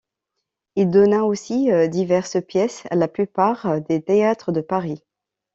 Il donna aussi diverses pièces à la plupart des théâtres de Paris.